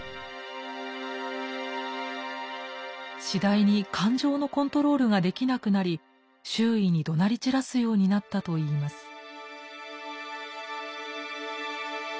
次第に感情のコントロールができなくなり周囲にどなり散らすようになったといいます。